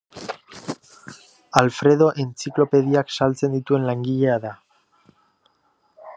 Alfredo entziklopediak saltzen dituen langilea da.